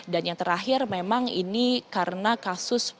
dan yang terakhir memang ini karena kasus